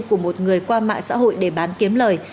của một người qua mạng xã hội để bán kiếm lời